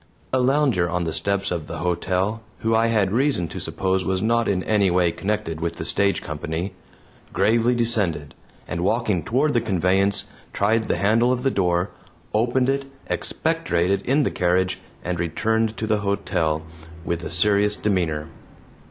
A lounger on the steps of the hotel, who I had reason to suppose was not in any way connected with the stage company, gravely descended, and walking toward the conveyance, tried the handle of the door, opened it, expectorated in the carriage, and returned to the hotel with a serious demeanor.